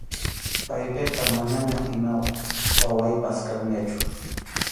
Paypiqa manañam ima wawaypas kanñachu.